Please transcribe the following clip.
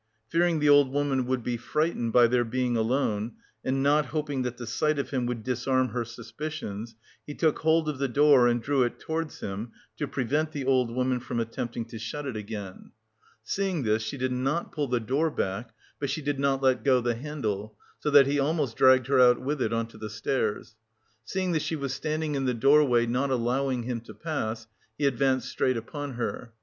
Fearing the old woman would be frightened by their being alone, and not hoping that the sight of him would disarm her suspicions, he took hold of the door and drew it towards him to prevent the old woman from attempting to shut it again. Seeing this she did not pull the door back, but she did not let go the handle so that he almost dragged her out with it on to the stairs. Seeing that she was standing in the doorway not allowing him to pass, he advanced straight upon her.